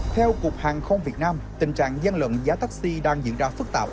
theo cục hàng không việt nam tình trạng gian lận giá taxi đang diễn ra phức tạp